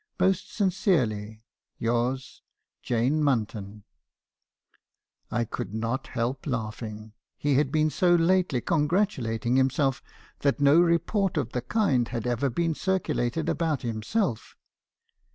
"'Most sincerely yours, " 'Jane Munton.' "I could not help laughing, he had been so lately congratu MR. Harrison's confessions. 303 lating himself that no report of the kind had ever been circulated about himself.